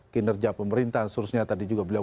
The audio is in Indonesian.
kinerja pemerintahan seharusnya tadi juga beliau